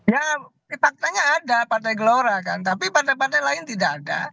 ya faktanya ada partai gelora kan tapi partai partai lain tidak ada